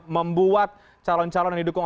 membuat calon calon yang didukung